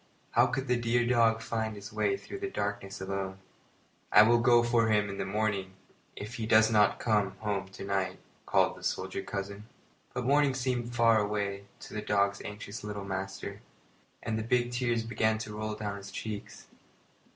How could the dear dog find his way through the darkness alone? "I will go for him in the morning, if he does not come home to night," called the soldier cousin. But morning seemed very far away to the dog's anxious little master, and the big tears began to roll down his cheeks.